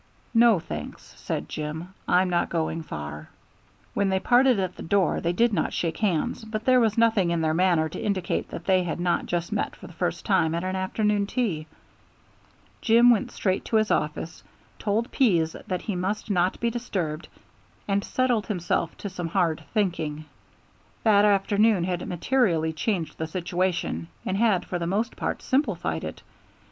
"No, thanks," said Jim; "I'm not going far." When they parted at the door they did not shake hands, but there was nothing in their manner to indicate that they had not just met for the first time at an afternoon tea. Jim went straight to his office, told Pease that he must not be disturbed, and settled himself to some hard thinking. That afternoon had materially changed the situation, and had for the most part simplified it.